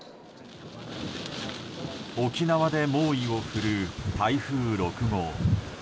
沖縄で猛威を振るう台風６号。